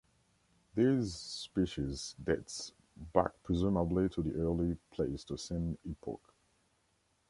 This species dates back presumably to the early Pleistocene epoch.